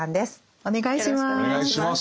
お願いします。